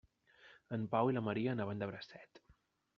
En Pau i la Maria anaven de bracet.